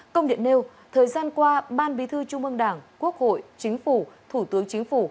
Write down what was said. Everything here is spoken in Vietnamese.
công điện nêu thời gian qua ban bí thư trung ương đảng quốc hội chính phủ thủ tướng chính phủ